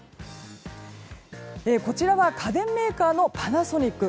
こちらは家電メーカーのパナソニック。